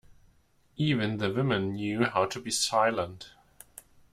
Even the women knew how to be silent.